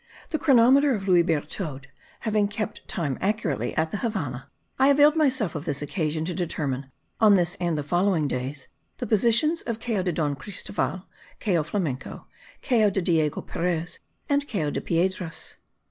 The chronometer of Louis Berthoud having kept time accurately at the Havannah, I availed myself of this occasion to determine, on this and the following days, the positions of Cayo de Don Cristoval, Cayo Flamenco, Cayo de Diego Perez and Cayo de Piedras.